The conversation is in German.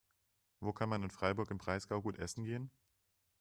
Wo kann man in Freiburg im Breisgau gut essen gehen?